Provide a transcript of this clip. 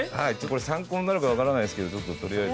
これ参考になるかわからないですけどとりあえず。